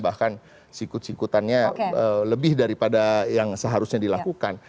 bahkan sikut sikutannya lebih daripada yang seharusnya dilakukan